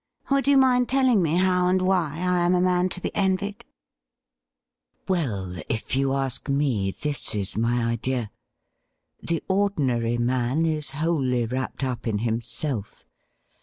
Would you mind telling me how and why I am a man to be envied ?'' Well, if you ask me, this is fliy idea. The ordinary man is wholly wrapped up in himself.